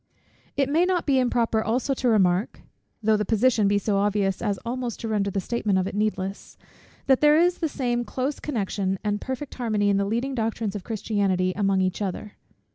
It may not be improper also to remark, though the position be so obvious as almost to render the statement of it needless, that there is the same close connection and perfect harmony in the leading doctrines of Christianity among each other.